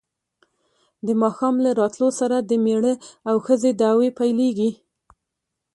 د ماښام له راتلو سره د مېړه او ښځې دعوې پیلېږي.